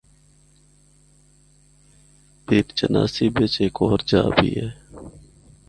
پیرچناسی بچ ہک ہور جآ بھی اے۔